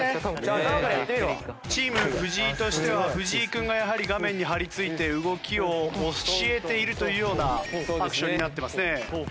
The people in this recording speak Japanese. チーム藤井としては藤井君がやはり画面に張り付いて動きを教えているというようなアクションになってますね。